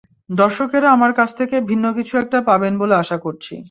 দর্শকেরাও আমার কাছ থেকে ভিন্ন কিছু একটা পাবেন বলে আশা করছি।